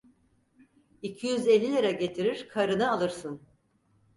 İki yüz elli lira getirir, karını alırsın!